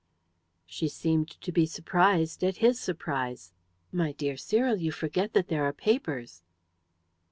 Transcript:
She seemed to be surprised at his surprise. "My dear Cyril, you forget that there are papers."